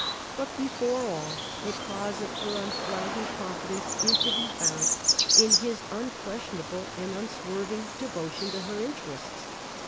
But before all, the cause of her unflagging confidence is to be found in his unquestionable and unswerving devotion to her interests.